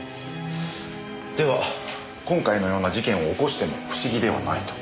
では今回のような事件を起こしても不思議ではないと？